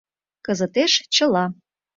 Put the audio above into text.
«Кызытеш чыла».